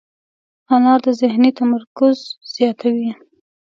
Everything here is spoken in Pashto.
انار د ذهني تمرکز زیاتوي.